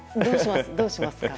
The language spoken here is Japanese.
どうしますか？